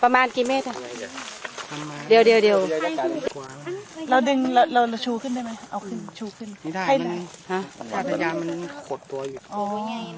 ไม่ได้มันหัวตัวอยู่